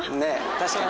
確かに。